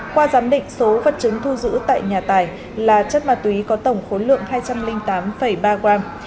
qua giám định số vật chứng thu giữ tại nhà tài là chất ma túy có tổng khối lượng hai trăm linh tám ba g